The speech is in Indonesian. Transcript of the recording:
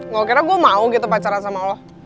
gak kira gue mau gitu pacaran sama allah